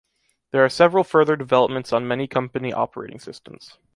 There are several further developments on many company operating systems.